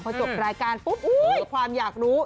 พอจบรายการปุ๊บความอยากรู้